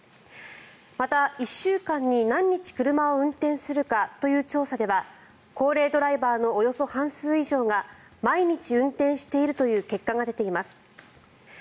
また、１週間に何日車を運転するかという調査では高齢ドライバーのおよそ半数以上が毎日運転しているという結果が出ています。